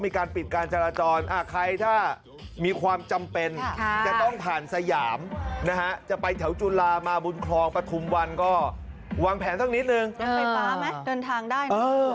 ไฟฟ้าไหมเดินทางได้